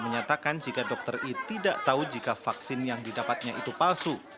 menyatakan jika dokter i tidak tahu jika vaksin yang didapatnya itu palsu